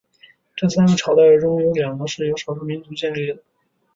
这三个朝代中有两个是由少数民族建立的。